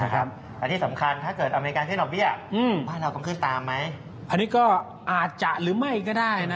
และที่สำคัญถ้าเกิดอเมริกาขึ้นอเบียหลังด้วยก็อาจจะหรือไม่ก็ได้